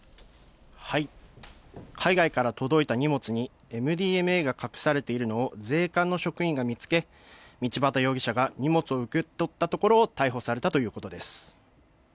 海外から届いた荷物に、ＭＤＭＡが隠されているのを、税関の職員が見つけ、道端容疑者が荷物を受け取ったところを逮捕されたということです。